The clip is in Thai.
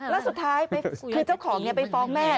แล้วสุดท้ายคือเจ้าของไปฟ้องแม่